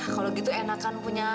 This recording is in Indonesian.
kalau gitu enakan punya